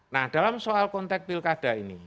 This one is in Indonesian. nah dalam soal konteks pilkada ini